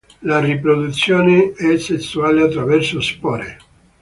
La riproduzione è sessuale, attraverso spore.